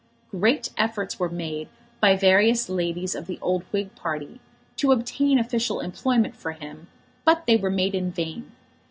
Great efforts were made by various ladies of the old Whig party to obtain official employment for him, but they were made in vain.